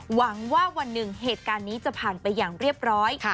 หวังว่าวันหนึ่งเหตุการณ์นี้จะผ่านไปอย่างเรียบร้อย